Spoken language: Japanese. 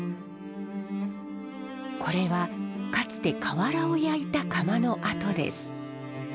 これはかつて瓦を焼いた窯の跡です。